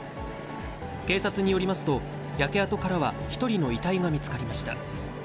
警察によりますと、焼け跡からは１人の遺体が見つかりました。